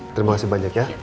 terima kasih banyak ya